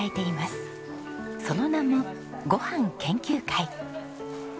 その名もごはん研究会。